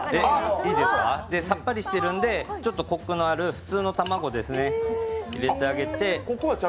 さっぱりしてるんでちょっとこくのある普通の卵を入れてあげて。